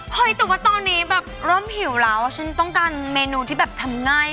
เฮ้ยแต่ว่าตอนนี้แบบเริ่มหิวแล้วฉันต้องการเมนูที่แบบทำง่าย